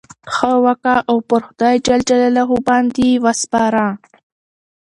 ښه وکه! او پر خدای جل جلاله باندي ئې وسپاره.